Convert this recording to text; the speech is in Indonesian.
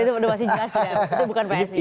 itu sudah masih jelas itu bukan psi